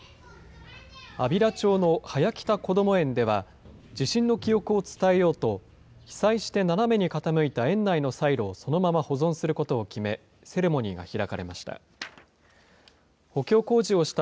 安平町のはやきた子ども園では、地震の記憶を伝えようと、被災して斜めに傾いた園内のサイロをそのまま保存することを決め、セレモニーが開かれました。